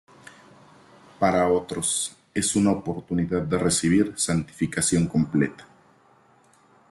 Para otros, es una oportunidad de recibir santificación completa.